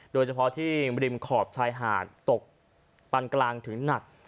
โดยเฉพาะที่ริมขอบชายหาดตกปันกลางถึงหนัก